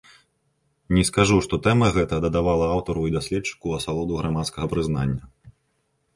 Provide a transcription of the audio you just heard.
Не скажу, што тэма гэта дадавала аўтару і даследчыку асалоду грамадскага прызнання.